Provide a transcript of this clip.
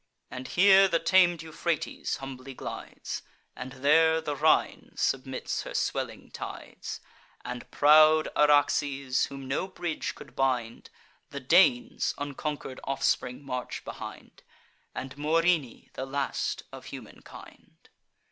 And here the tam'd Euphrates humbly glides, And there the Rhine submits her swelling tides, And proud Araxes, whom no bridge could bind; The Danes' unconquer'd offspring march behind, And Morini, the last of humankind.